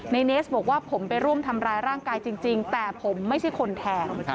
เนสบอกว่าผมไปร่วมทำร้ายร่างกายจริงแต่ผมไม่ใช่คนแทง